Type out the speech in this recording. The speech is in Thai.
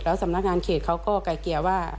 แล้วสำนักงานเขตเขาก็กายเกียร์ว่า